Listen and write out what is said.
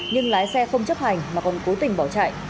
nhưng lái xe không chấp hành mà còn cố tình bỏ chạy